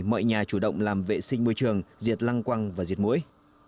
mọi nhà chủ động làm vệ sinh môi trường diệt lăng quăng và diệt mũi